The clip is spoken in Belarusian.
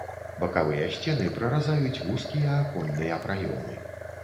Бакавыя сцены праразаюць вузкія аконныя праёмы.